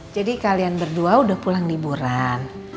jadi kalian berdua udah pulang liburan